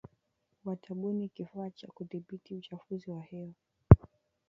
Watabuni kifaa cha kudhibiti uchafuzi wa hewa